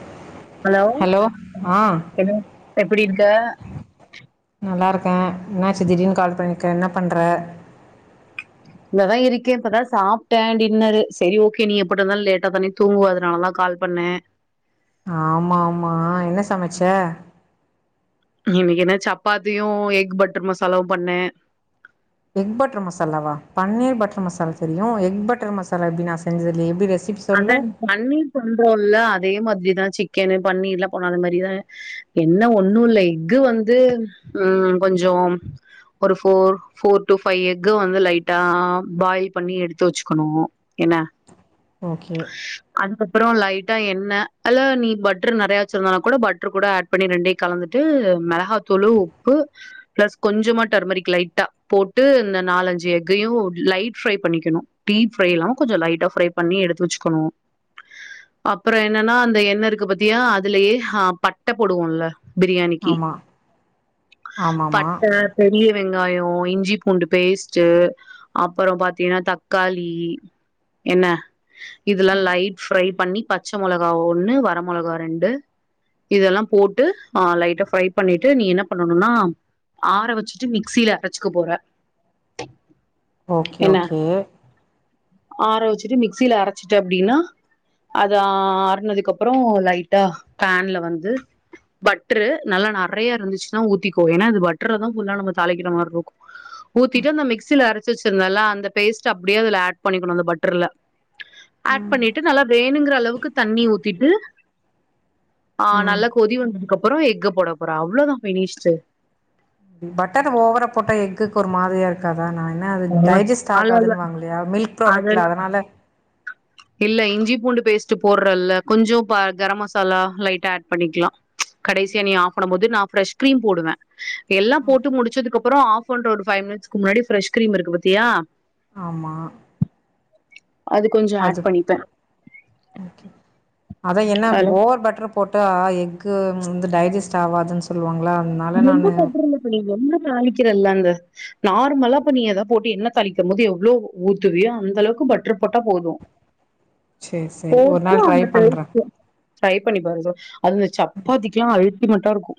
[inaudible] Hello ஆ என்ன எப்படி இருக்க இருக்க என்னச்சு திடீர்னு கால் பண்ணிர்க என்ன பண்ற இங்க தா இருக்கே இப்பதா சாப்ட்ட டின்னரு சரி ஓகே நீ எப்டி இருந்தாலு லேட்டா தானே தூங்குவ அதனால தா கால் பண் ண ஆமா ஆமா என்ன சமைச்ச இன்னைக்கி என்ன சப்பாத்தியு எக் பட்டர் மசாலாவு பண்ண எக் பட்டர் மசாலாவா பன்னீர் பட்டர் மசாலா தெரியும் எக் பட்டர் மசாலா எப்டி நா செஞ்சதில்லையே எப்டி ரெசிபி அதா சொல்லு பன்னிர் பண்றோல்ல அதே மாதிரிதா சிக்கன்னு பன்னீர் எல்லா பன்றோ அது மாரிதா என்ன ஒண்ணு இல்ல எக்கு வந்து உம் கொஞ்சோ ஒரு four four to five egg வந்து லைட்டா பாயில் பண்ணி எடுத்து வச்சுக்கணு என்ன ஓகே அப்றோ லைட்டா எண்ணெ இல்ல நீ பட்ரு நெறையா வச்சிருந்தனா கூட பட்ரு கூட ஆட் பண்ணி ரெண்டையு கலந்துட்டு மிளகாத்தூளு உப்பு பிளஸ் கொஞ்சமா டர்மரிக் லைட்டா போட்டு இந்த நாலஞ்சி எஃகு எப்பயு லைட் ஃப்ரை பண்ணிக்கணு டீப் ஃப்ரை இல்லாம கொஞ்சோ லைட்டா ஃப்ரை பண்ணி எடுத்து வச்சிக்கணு அப்றோ என்னன்னா அந்த எண்ணெருக்கு பாத்தியா அதுலயே ஆ பட்டை போடுவோல்ல பிரியாணிக்கி ஆமாம் ஆமாம்மா பட்ட பெரிய வெங்காயோ இஞ்சி பூண்டு பேஸ்ட்டு அப்பறோ பாத்தீன்னா தக்காளி என்ன இதெல்லா லைட் ஃப்ரை பண்ணி பச்ச மிளகா ஒன்னு வர மிளகா ரெண்டு இதெல்லா போட்டு ஆ லைட்டா ஃப்ரை பண்ணீட்டு நீ என்ன பண்ணணுன்னா ஆற வச்சிட்டு மிக்சில அரச்சுக்க போற ஓகே என்ன ஓகே ஆற வச்சிட்டு மிக்சில அரச்சிட்ட அப்டின்னா அத ஆறனதுக்கப்றோ லைட்டா பேன்ல வந்து பட்ரு நல்லா நெறயா இருந்துச்சின்னா ஊத்திக்கோ ஏன்னா இது பட்டர்லதா ஃபுல்லா நம்ம தாளிக்கிற மாரி இருக்கு ஊத்தீட்டு அந்த மிக்சில அரச்சி வச்சிருந்தல அந்த பேஸ்ட் அப்டியே அதுல ஆட் பண்ணிக்கணு அந்த பட்டர்ல ஆட் பண்ணீட்டு நல்லா வேணுங்ற அளவுக்கு தண்ணி ஊத்தீட்டு ஆ ம் நல்லா கொதி வந்ததுக்கு அப்றோ எஃக்க போட போறோ அவ்ளோதா பினிஷ்டு பட்டர ஓவர போட்ட எஃக்க்கு ஒரு மாதிரியா இருக்காதா அதா நா என்ன அது டைஜெஸ்ட் அதெல்லா ஆகாதுன்னு வாங்கலே மில்க் அதெல்லா ப்ராடக்ட்ல அதனால இல்ல இஞ்சி பூண்டு பேஸ்ட் போடுறல்ல கொஞ்சோ ப கரம் மசாலா லைட்டா ஆட் பண்ணிக்கலா கடேசியா நீ ஆஃப் பண்ணும் போது நா ஃப்ரெஷ் கிரீம் போடுவே எல்லா போட்டு முடிச்சதுக்கப்றோ ஆஃப் பண்ற ஒருஃபைவ் மினிட்ஸ்க்கு முன்னாடி ஃப்ரஷ் கிரீம் இருக்கு பாத்தியா ஆமா அது கொஞ்சோ ஆட் பண்ணிப்பே அதா என்ன அதுல ஓவர் பட்டர் போட்டா எக்கு வந்து டைஜஸ்ட் ஆவாதுன்னு சொல்லுவாங்க ரொம்ப பட்ரு இல்ல இப்ப நீ எண்ணெ தாளிக்கிறல்லா அந் த நார்மலா இப்ப நீ ஏதா போட்டு எண்ணெ தாளிக்கும் போது எவ்ளோ ஊத்துவியோ அந்த அளவுக்கு பட்டர் போட்டா போது சேரி சேரி ஒரு போட்டு நாள் ட்ரை அந்த பண்றே பேஸ்ட் பண்ணி பாரு அது அந்த சப்பாத்திக்குல்லா அல்ட்டிமெட்ட இருக்கு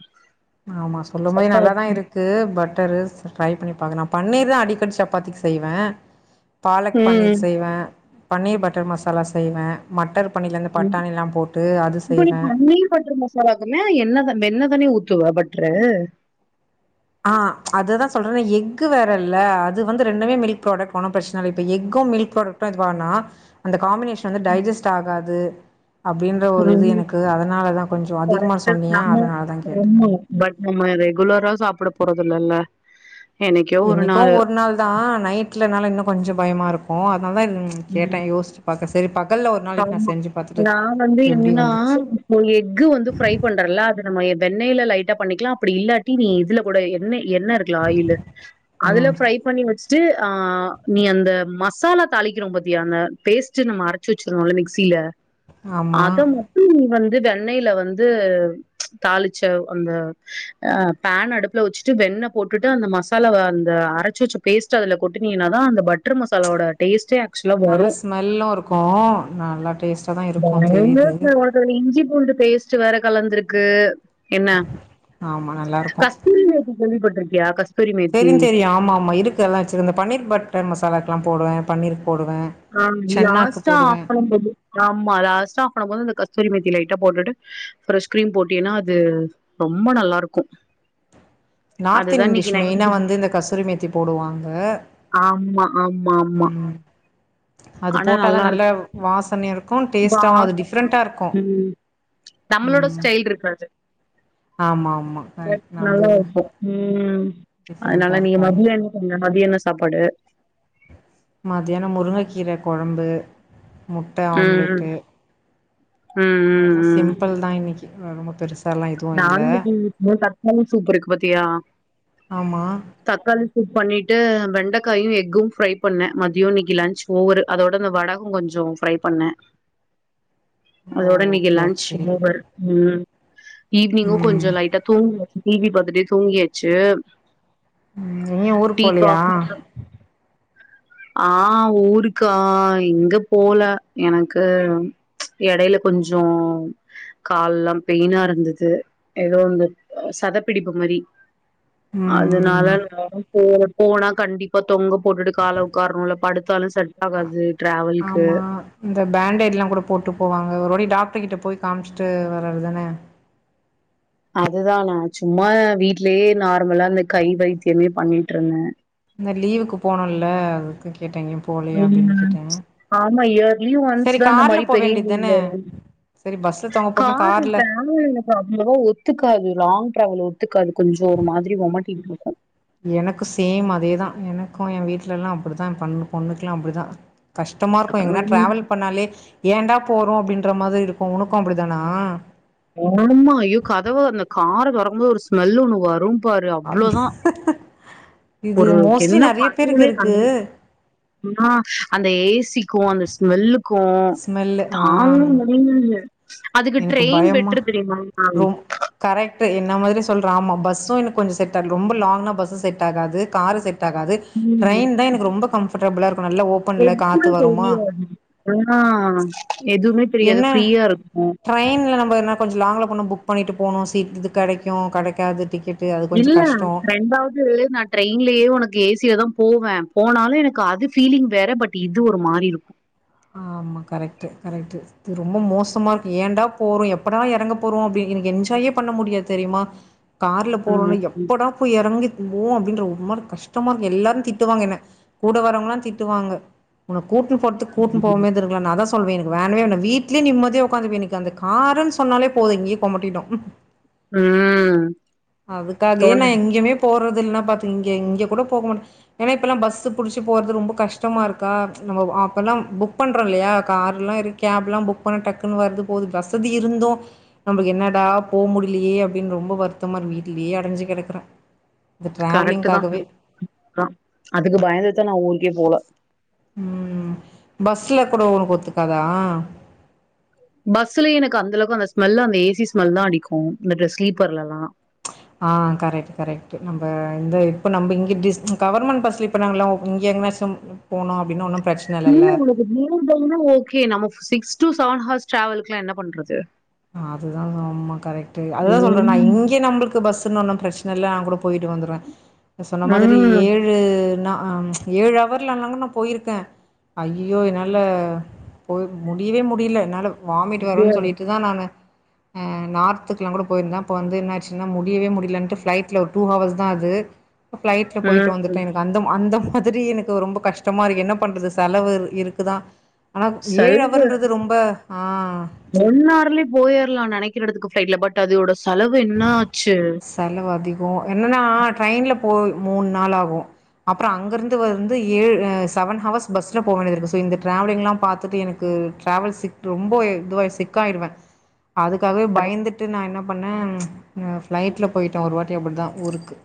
ஆமா சொல்லும் போதே நல்லாதா சப்பாத்தி இருக்கு பட்டரு ட்ரை பண்ணி பாக்கலா பன்னீர் தா அடிக்கடி சப்பாத்திக்கி செய்வே பாலக் ம் பன்னீர் செய்வே பன்னீர் பட்டர் மசாலா செய்வே மட்டர் பன்னீர்ல இந்த ம் பட்டாணிலா போட்டு அது இப்ப நீ செய்வே பன்னீர் பட்டர் மசாலாக்குமே எண்ணெ தா வெண்ணே தானே ஊத் துவ பட்ரு ஆ அததா சொல்றே எக்கு வேற இல்ல அது வந்து ரெண்டுமே மில்க் ப்ராடக்ட் ஒன்னு பிரச்சன இல்ல இப்ப எக்கு கு மில்க் ப்ராடக்ட் இது வானா அந்த காம்பினேஷன் வந்து டைஜெஸ்ட் ஆகாது அப்டின்ற ஒரு இது ம் எனக்கு அதனாலதா கொஞ்சோ அதிகமா கரெக்ட்டு சொன்னீயா நம்ம அதனாலதா கேட்டே ஆமா பட் நம்ம ரெகுலரா சாப்ட போறது இல்லல்ல என்னைக்கோ ஒரு நாள் தா நைட்லனால இன்னு கொஞ்சோ பயமா இருக்கு அதனாலதா இது கேட்டே ம் யோசிச்சி பாக்க செரி பாக் ஆமா நா வந்து எப்டி என்னன்னா வந்துச்சு இப்போ எக்கு வந்து ஃப்ரை பண்றேன்ல அது நம்ம வெண்ணெய்ல லைட்டா பண்ணிக்கலா அப்டி இல்லாட்டி நீ இதுல கூட எண்ணெய் எண்ணெ இருக்குல்ல ஆயிலு அதுல ம் ஃப்ரை பண்ணி வச் சி ஆ நீ அந்த மசாலா தாளிக்குறோ பாத்தியா அந்த பேஸ்ட் நம்ப அரச் சு வச்சுருந்தோல மிக்ஸில ஆமா. அத மட்டு நீ வந் து வெண்ணெய்ல வந்து தாளிச்ச அந்த ஆ ஃபேன் அடுப்புல வச்சிட்டு வெண் ணெ போட்டுட்டு அந்த மசாலாவ அந்த அரச்சி வச்ச போஸ்ட்ட அதுல கொட்டுனீனாத அந்த பட்டர் மசாலாவோட டேஸ்ட் நல்ல ஸ்மெல்லு இருக்கு நல்லா டேஸ்டா தா இருக்கு பயங்கர தெரியுது சுவை. உனக்கு அதுல இஞ்சி பூண்டு பேஸ்ட் வேற கலந்துருக்கு என்ன ஆமா கஸ்தூரி மேத்தி கேள்விபட் ருக்கியா கஸ் தெரியு தெரியுன் ஆமா ஆமா இருக்கு எல்லா வச்சிருந்தே பன்னீர் பட்டர் மசாலாக்குல்லா போடுவே பன்னீர் ஹான் லாஸ்டா ஆஃப்பன்ன போது ஆமா லாஸ்டா ஆஃப்பன்ன போது இந்த கஸ்தூரி மேத்தி லைட்டா போட்டுட்டு ஃப்ரெஷ் க்ரீம் போட்டீன்னா அது ரொம்ப நல்லா இருக்கும் நார்த் இன்டிஷ் மெயினா வந்து இந்த கஸ்தூரி மேத்தி போடுவாங்க ஆமா ஆமா ஆமா ம் அது ஆனா போட்டாதா நல்லா நல்ல இருக்கு வாசனைய இருக்குன் பா டேஸ்ட்டாவு அது டிஃப்ரெண்ட்டா இருக்குன் ம் நம்மளோட ஸ்டைல் இருக்காது ஆமா ஆமா ம் கரெக்ட் நல்லா நம்புள்து இருக்கும் ம் டிஃப்ரெண்ட்டா அதனால நீங்க இருக்கு [unintelligible] இருங்க மதிய என்ன சாப்பாடு மதியான முருங்கைக்கீரை கொழம்பு முட்ட ம் ஆம்லெட்டு ம் அவ்ளோ ம் தா ம் சிம்பிள் தா இன்னிக்கி ரொம்ப பெருசு நானு இன்னைக்கி மோர் தக்காளி சூப் இருக்கு பாத்தியா ஆமா தக்காளி சூப் பண்ணிட்டு வெண்டக்காயு எக்கு ஃப்ரை பண்ண மதியோ இன்னைக்கு லன்ச் ஓவரு அதோட இந்த வடகோ கொஞ்ச ஃப்ரை பண்ணே ஓ அதோட இன்னைக்கி ஓகே லன்ச் ஓகே ஓவர் ம் ஈவினிங்கு ம் கொஞ்சோ லைட்டா தூங்கியாச்சு டிவி பாத்துட்டே தூங்கியாச்சு ம் எங்கயு ஊருக்கு டீ போலையா காஃபி எலா ஆ ஊருக்கா எங்க போல எனக்கு எடையில கொஞ்ஜோ கால்லா பெயினா இருந்தது ஏதோ இந்த சதப்பிடிப்பு மாரி அதுனால ம் நா போல போனா கண்டிப்பா தொங்க போட்டுட்டு கால உக்காரனுல படுத் அ ஆமா இந்த பேண்டேடுலான் கூட போட்டு போவாங்க ஒரு வாட்டி டாக்டர் கிட்ட போய் காமிச்ட்டு வரதுதானே அதுதா நா சும்மா வீட்லயே நார்மலா இந்த கை வைத்தியமே பண்ணிட்ருந்த இந்த லீவுக்கு போனுல் ல அதுக்கு கேட்ட எங்கயு போலையா அப்டினு ம் கேட்டே ஆமா இயர்லி ஒன்ஸ் சேரி தா இந்த கார்ல மாரி போ பெரிய வேண்டிதான லீவ் வரு காரு கார்ல இப்ப ஆனு எனக்கு அவ்ளவா ஒத்துக்காது லாங் டிராவல் ஒத்துக்காது கொஞ்சோ ஒரு மாதிரி ஒமட்டிடு வ எனக்கு சேம் அதேதா எனக்கு என் வீட்லலா அப்புடிதா ஏ பொண்ணுக்கெல்லா அப்புடிதா கஷ்டமா இருக்கு எங்கனா ம் ட்ராவல் பண்ணாலே ஏண்டா போறோ அப்டின்ற மாதிரி இருக்கு உனக்கு அப்டிதானா ஆமா ஐயோ கதவ அந்த கார தொறக்கும் போது ஒரு ஸ்மெல் ஒண்ணு வரும் பாரு அத் அவ்ளோதா ஒரு என்ன பண்னுனே இருக்கு கண்டு புடி அந்த ஏசி க்கு அந்த ஸ்மெல்லுக்கு ஸ்மெல்லு ஆ தாங்க முடியாது அதுக்கு ட்ரெயின் பெட் மா ரொம் கரெக்ட் என்ன மாரி சொல் ஆமா பஸ்ஸு எனக்கு கொஞ்ச செட் ஆகல ரொம்ப லாங் பஸ்ஸு செட் ஆகாது காரு செட் செட் ஆகாது ம் ட்ரைன் தா எனக்கு ரொம்ப கம்ஃபர்டபிலா இருக்கு நல்லா ஓபன்ல எதுமே காத்து வருமா தெரியாது ஆ எதுமே என்ன ட்ரெயின்ல நம்ப என்ன கொஞ்ச லாங்ல போனா புக் பண்ணிட்டு போனு சீட் இது கெடைக்கு கெடைக்காது டிக்கெட் இல்ல ரெண்டாவது நா ட்ரெயின்லயே ஒனக்கு ஏசியதா போவே போனாலு எனக்கு அது ஃபிலிங் வேற பட் இது ஒரு மாரி இருக் ஆமா கரெக்ட் கரெக்ட் இது ரொம்ப மோசமா இருக்கு ஏன்டா போறோ எப்படா எறங்க போறோ அப்டின் எனக்கு என்ஜாயே பண்ண முடியா தெரியுமா கார்ல போறோன ம் எப்படா போய் எறங்கி ஓ அப்படின்ற ஒரு மாரி கஷ்டமா இருக்கு எல்லாரும் திட்டுவாங்க என்ன கூட வர்வங்கல்லா திட்டுவாங்க உன்ன கூட்டுனு போறத்துக் கூட்டு ம் போவாமயே இருந்துருக்கலா நா அதா சொல்வ எனக்கு வேணவே வேணா வீட்லயே நிம்மதியா உக்காந்துகுவ எனக்கு அந்த காருன் சொன்னாலே போது இங்கே கொமடிடு உம் அதுக்காகே நா எங்கயுமே போ றது இல்லனா பாத்துக்க இங்க இங்க கூட போக மாட்ட என்ன இப்பல்லா பஸ்சூ புடிச்சு போறது ரொம்ப கஷ்டமா இருக்கா நம்ம அப்போல்லா புக் பண்ணறோ இல்லையா கார்லா இருக்க கேப் எல்லா புக் பண்ண டக்குன்னு வருது போது வசதி இருந்து நம்மக்கு என்னடா போ முடிலையே அப்படின்னு ரொம்ப வருத்தமா வீட்டுலேயே அடஞ்சு கடக்குற கரெக்ட் தா அதுக்கு பயந்துதா நா ஊருக்கே போல உம் பஸ்ல கூட உனக்கு ஒத்துக்காதா பஸ்ல எனக்கு அந்த அளவுக்கு அந்த ஸ்மெல்ல அந்த ஏ சி ஸ்மெல் தா அடிக்கு இந்த ஸ்லீப்பர்லல்லா ஆ கரெக்ட் கரக்ட் நம்ம இந்த இப்ப நம்ம இங்க கவர்மெண்ட் பஸ் இப்ப நாங்களா இங்க சம் போனோ அப்படின்னா ஒன் இல்ல ஒரு மூணு ஹார் நா ஓகே நம்ம சிக்ஸ் டு செவன் ஹர்ஸ் டிரவல்கல்லா என்ன பண்றது அதுதா சம்மா கரெக்ட் அதுதா சொல்றல ம் இங்க நம்மளுக்கு பஸ்ன்னு ஒண்ணு பிரச்சன இல்ல போயிட்டு வந்துருவ சொன்ன மாதிரி ம் ஏழு நா ஆ ஏழு அவர்ல அனாலு நா போயிருக்க அய்யய்யோ என்னால போய் முடியவே முடியல என்னால வாமிட் வரும்ன்னு சொல்லிட்டு ஆனான அ நார்த்துக்குல்லா கூட போயிருந்த அப்ப வந்து என்னாச்சுன்னா முடியவே முடியலட்டு ஃபளைட்ல ஒரு டூ ஹவர்ஸ் தா அது ஃபளைட்ல போயிட்டு வந்துட்ட ம் எனக்கு அந்த அந்த மாதிரி எனக்கு ரொம்ப கஷ்டமா இருக்கு என்ன பண்றது செலவு இருக்குதா ஆனா ஏழு செலவு அவர்ன்றது ரொம்ப ஆ போயிர்லா நினைக்கற எடதுக்கு ஃபளைட்ல பட் அதோட செலவு என்ன ஆச்சு செலவு அதிகோ என்னன்னா ட்ரெயின்ல போ மூணு நாள் ஆகும் அப்புறம் அங்கருந்து வந்து ஏ செவன் ஹவர்ஸ் பஸ்ல போக வேண்டியது இருக்கு சோ இந்த டிராவலிங்லா பார்த்துட்டு எனக்கு டிராவல் சிக் ரொம்ப இது சிக் ஆயிடுவ அதுக்காகவே பயந்துட்டு நா என்ன பண்ண ஃபளைட்ல போயிட்டே ஒரு வாட்டி அப்படிதா ஊருக்கு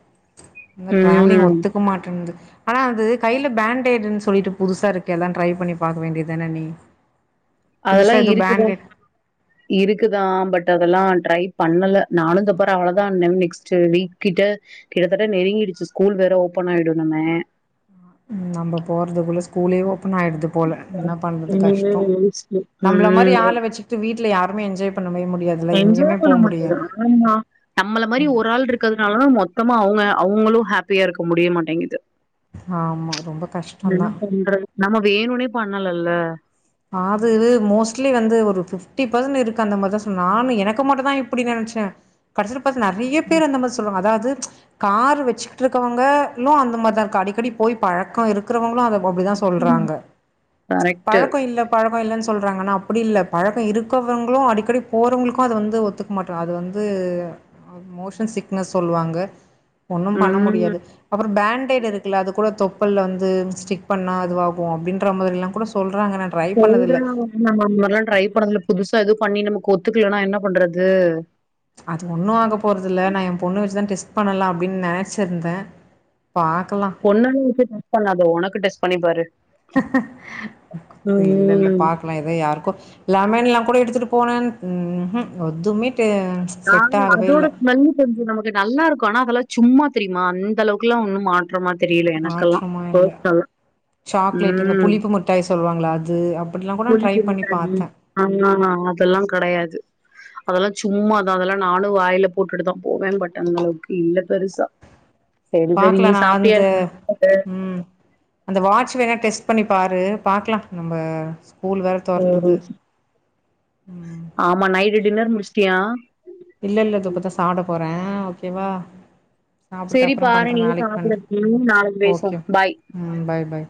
இந்த டிராவலிங் ம் ஒத்துக்க மாட்டேங்குது ஆனா வந்த கையில பேண்டேடுன்னு சொல்லிட்டு புதுசா இருக்கு எல்லா டிரை பண்ணி பாக்க வேண்டியதுதான நீ அதெல்லா புதுசா எதோ இருக்குத பேண்டேட் இருக்குதா பட் அதெல்லா ட்ரை பண்ணல நானு இந்த பாரு அவளோ தா நெக்ஸ் வீக் கிட்ட கிட்டத்தட்ட நெருங்கிடுச்சு ஸ்கூல் வேற ஓப்பன் ஆயிடூநுமே நம்ம போறதுக்குள்ள ஸ்கூலே ஓபன் ஆயிடுது போல என்ன பண்றது கஷ்டோ நம்மள மாரி ம் ஆள வச்சுட்டு வீட்டுல யாருமே என்ஜாய் பண்ணவே முடியாதுல்ல எங்கேயுமே என்ஜாய் போ பண்ண முடியல முடியாது ஆமா நம்மள மாதிரி ஒரு ஆள் இருக்கிறதுனாலதா மொத்த ம அவங்க அவங்களு ஹாப்பியா இருக்க முடிய மாட்டிங்குது ஆமா ரொம்ப ம் கஷ்டந்தா என்ன பண்றது நம்ம வேணுமனே பண்ணலல்ல அது மோஸ்ட்லி வந்து ஒரு பிப்டி பெர்சன்ட் இருக்கு அந்த மாரிதா சொன்ன நானு எனக்கு மட்டுதா இப்டி நெனச்ச கடசில பாத்தா நெரிய பேர் அந்த மாதி சொல்றாங்க அதா கார் வச்சுட்டு இருக்கவங்க இன்னு அந்த மாரிதா இருக்கு அடிக்கடி போய் பழக்க இருக்றவங்களு அத அப்டிதா ம் சொல்றாங்க கரெக்ட்டு பழக் பரவா இல்லன்னு சொல்றாங்க ஆனா அப்டி இல்ல பழக்க இருக்கவங்களு அடிக்கடி போறவங்ளுக்கு அது வந்து ஒத்துக்க மாட்ட அது வந்து மோசன் சிக்னஸ் சொல்லுவாங்க ஒன்னு பண்ண ம் முடியாது ஒரு பேண்டைட் இருக்குல அது கூட தொப்பல்ல வந்து ஸ்டிக் பண்ணா அதுவாகு அப்டின்றமாதிரலா கூட சொல் சொல்றாங்க ஆன நம்ம அந்த மாரி எல்லா ட்ரை பண்ணது இல்ல புதுசா எது பண்ணி நமக் ஒத்துக்கலனா என்ன பண்றது அது ஒண்ணு ஆக போறதில்ல நா எ பொண்ணு வச்சுதா டெஸ்ட் பண்ணலா அப்டின் நெனச்சிருந்த பொண்ண வச் டெஸ்ட் பண்ணாத உனக்கு டெஸ்ட் பண்ணி பாரு இல்ல இல்ல ம் பாக்லா எதோ யாருக்கொ லெமன்ல கூட எடுத்துட் போன ம் ம் எதுமே நாங்க அதோட ஸ்மெல்லு கொஞ்ச நமக்கு நல்லா க்கானா அதெல்லா சும்மா தெரியுமா அந்த அளவுக்குலா ஒன்னு மாற்றமா தெரியல எனக்கெல்லா மாற்றமா இல்ல சாக்லேட் இந்த ம் புளிப்பு மிட்டாய் சொல்லுவாங்ள அது அப்டிலா கூட ந ட்ரை புளிப்புள்ள பண்ணி தண்ணி பாத்த ஆ அதெல்லா கெடயாது அதெல்லா சும்மாதா அதெல்லா நானு வாயில போட்டுட்டுதா போவே பட் அந்தளவுக்கு இல்ல பெருசா சரி சரி பாக்லா நீ ந சாப்ட்டியா அந்த ம் அந்த வாட்ச் வேணா டெஸ்ட் பண்ணி பாரு பாக்லா நம்ம ஸ்கூல் வேற தொறந்துது ம் ஆமா நைட் டின்னர் முடிச்டியா இல்ல இல்ல து இப்பதா சாப்ட போற ஒகேவா சாப்ட்டு சரி அப்ரோ பாரு பண்ற நீயு நாலிக்கு பண்ற சாப்டு ம் நாளைக்கு பேசுவோ ஓகே பாய் ம் பாய் பாய்